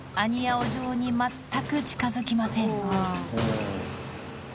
お嬢に全く近づきません